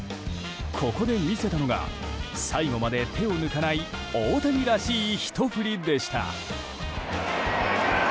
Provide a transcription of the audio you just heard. ここで見せたのが最後まで手を抜かない大谷らしいひと振りでした。